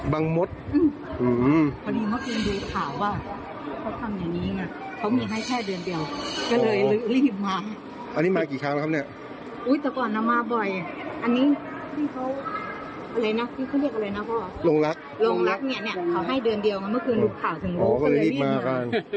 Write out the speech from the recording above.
ลงรักเขาให้เดือนเดียวเมื่อคืนรุกผ่าถึงรุกเขาเลยรีบมากัน